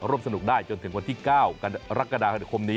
ร่วมสนุกได้จนถึงวันที่๙รักษณะคันธคมนี้